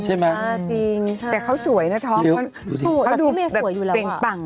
ใช่ไหมแต่เขาสวยนะท้องเขาดูเตรียงปังอ่ะเพราะพี่เมย์สวยอยู่แล้ว